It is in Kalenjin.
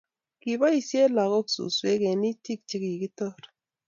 Kiboisien lagok suswek eng' itik che kikitor